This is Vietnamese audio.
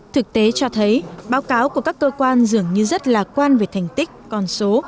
thực tế cho thấy báo cáo của các cơ quan dường như rất lạc quan về thành tích con số